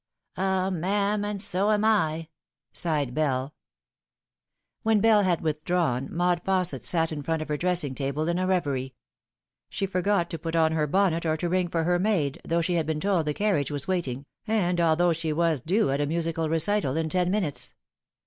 " Ah, ma'am, and so am 7," sighed BelL When Bell had withdrawn, Maud Fausset sat in front of her dressing table in a reverie. She forgot to put on her bonnet or to ring for her maid, though she had been told the carriage was waiting, and although she was due at a musical recital in ten minutes.